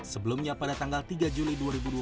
sebelumnya pada tanggal tiga juli dua ribu dua puluh